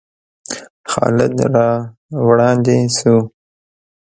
خالد را وړاندې شو.